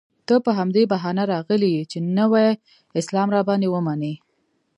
ته په همدې بهانه راغلی یې چې نوی اسلام را باندې ومنې.